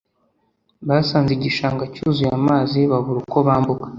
Basanze igishanga cyuzuye amazi babura uko bambuka